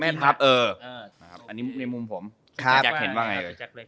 แม่ทัพเอออ่าครับอันนี้ในมุมผมครับแล้วแจ๊กเห็นว่าไง